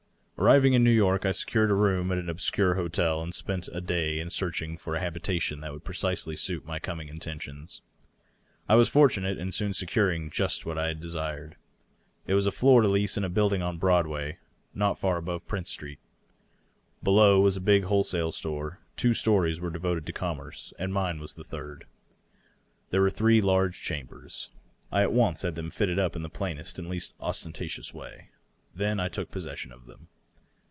Arriving in New York, I secured a room at an obscure hotel, and spent a day in searching for a habitation that would precisely suit my coming intentions. I was fortunate in soon securing just what I de sired. It was a floor to lease in a building on Broadway, not far above Prince Street. Below was a big wholesale store. Two stories were devoted to commerce, and mine was the third. There were three large chambers. I at once had them fitted up in the plainest and least osten tatious way. Then I took possession of them.